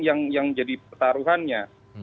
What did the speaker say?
yang jadi petaruhannya